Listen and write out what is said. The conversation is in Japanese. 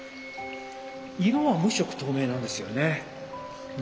色は無色透明なんですよね。